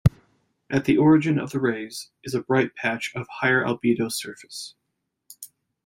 At the origin of the rays is a bright patch of higher-albedo surface.